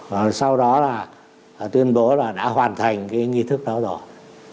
và sau đó là tuyên bố là đã hoàn thành cái nghi thức đó rồi